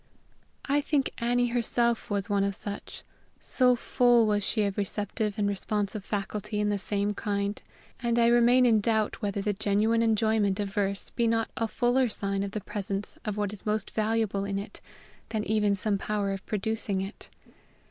I think Annie herself was one of such so full was she of receptive and responsive faculty in the same kind, and I remain in doubt whether the genuine enjoyment of verse be not a fuller sign of the presence of what is most valuable in it than even some power of producing it.